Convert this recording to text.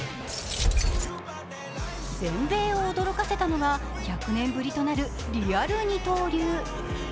全米を驚かせたのは、１００年ぶりとなるリアル二刀流。